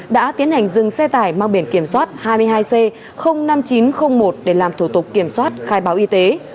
đã tiến hành dừng xe tải mang biển kiểm soát hai mươi hai c năm nghìn chín trăm linh một để làm thủ tục kiểm soát khai báo y tế